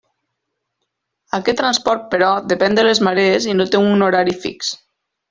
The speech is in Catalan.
Aquest transport però depèn de les marees i no té un horari fix.